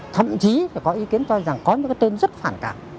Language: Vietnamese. thậm chí phải có ý kiến cho rằng có những cái tên rất phản cảm